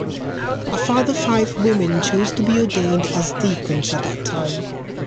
A further five women chose to be ordained as deacons at that time.